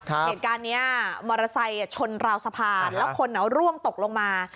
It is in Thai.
เหตุการณ์นี้มอเตอร์ไซค์ชนราวสะพานแล้วคนร่วงตกลงมา